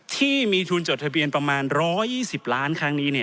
ที่มีทุนจดทะเบียนประมาณ๑๒๐ล้านครั้งนี้